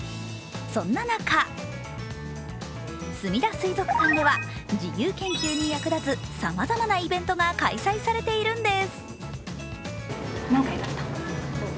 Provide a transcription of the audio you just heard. そんな中すみだ水族館では自由研究に役立つさまざまなイベントが開催されているんです。